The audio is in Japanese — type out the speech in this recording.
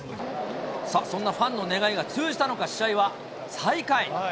そんなファンの願いが通じたのか、試合は再開。